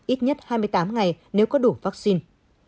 ít nhất hai mươi tám ngày nếu có đủ vaccine